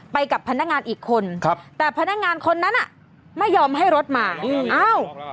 ไปกับพนักงานอีกคนครับแต่พนักงานคนนั้นอ่ะไม่ยอมให้รถมาอ้าว